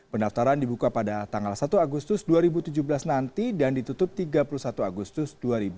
pendaftaran dibuka pada tanggal satu agustus dua ribu tujuh belas nanti dan ditutup tiga puluh satu agustus dua ribu delapan belas